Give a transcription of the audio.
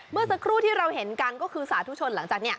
เมื่อสักครู่ที่เราเห็นกันก็คือสาธุชนหลังจากนี้